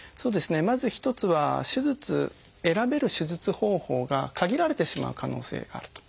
まず一つは手術選べる手術方法が限られてしまう可能性があると。